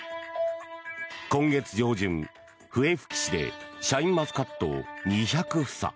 今月上旬、笛吹市でシャインマスカット２００房